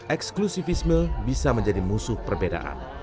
eksklusifisme bisa menjadi musuh perbedaan